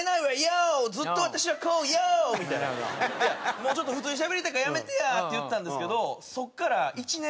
「もうちょっと普通にしゃべりたいからやめてや！」って言ったんですけどそこから。